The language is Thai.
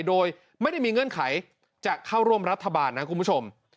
โดยไม่ได้มีเงื่อนไขจะเข้าร่วมรัฐบาลนะคุณผู้ชม